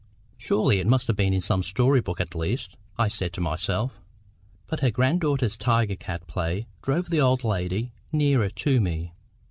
"Surely it must be in some story book at least!" I said to myself. But her grand daughter's tiger cat play drove the old lady nearer to me.